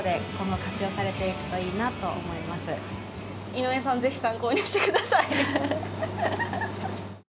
井上さん、ぜひ、参考にしてください。